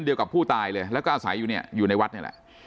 กับผู้ตายเลยแล้วก็อาศัยอยู่เนี่ยอยู่ในวัดนี่แหละ